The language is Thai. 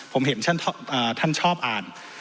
ผมเห็นท่านชอบอ่าน